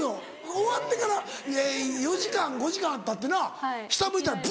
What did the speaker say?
終わってから４時間５時間たってな下向いたらバ！